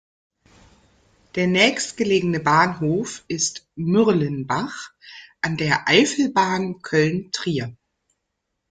Der nächstgelegene Bahnhof ist "Mürlenbach" an der Eifelbahn Köln–Trier.